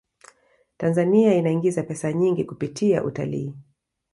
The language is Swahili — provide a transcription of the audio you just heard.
tanzania inaingiza pesa nyingi kupitia utalii